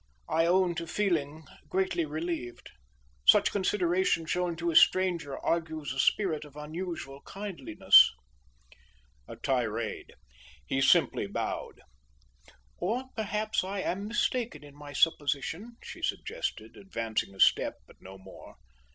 I own to feeling greatly relieved. Such consideration shown to a stranger, argues a spirit of unusual kindliness." A tirade. He simply bowed. "Or perhaps I am mistaken in my supposition," she suggested, advancing a step, but no more.